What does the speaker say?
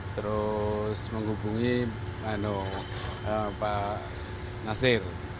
terus menghubungi pak nasir